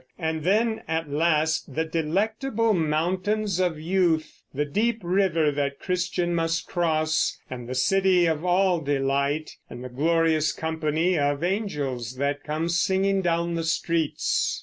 And then at last the Delectable Mountains of Youth, the deep river that Christian must cross, and the city of All Delight and the glorious company of angels that come singing down the streets.